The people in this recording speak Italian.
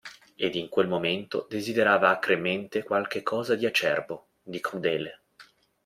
Ed in quel momento desiderava acremente qualche cosa di acerbo, di crudele.